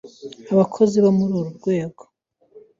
abakozi bo muri uru rwego